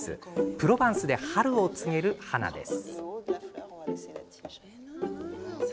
プロヴァンスで春を告げる花です。